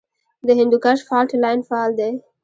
د هندوکش فالټ لاین فعال دی